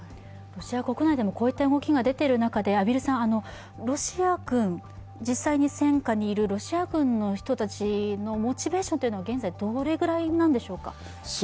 ロシア国内でもこういった動きが出ている中で、ロシア軍、実際に戦禍にいるロシア軍の人たちのモチベーションは現在、どれぐらいなんでしょうか。